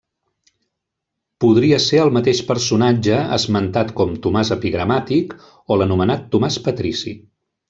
Podria ser el mateix personatge esmentat com Tomàs Epigramàtic o l'anomenat Tomàs Patrici.